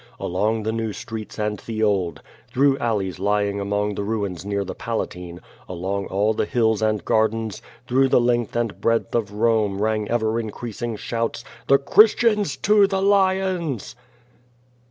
Along the new streets and the old, through alleys lying among the ruins near the Palatine, along all the hills and gardens, through the length and breadth of Rome rang ever increasing shouts. "The Christians to the lions!"